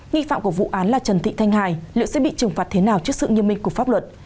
nghi phạm của vụ án là trần thị thanh hài liệu sẽ bị trừng phạt thế nào trước sự nghiêm minh của pháp luật